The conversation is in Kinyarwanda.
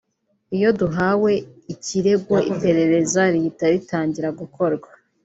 iyo duhawe ikirego iperereza rihita ritangira gukorwa